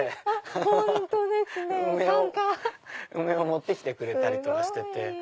梅を持って来てくれたりとかしてて。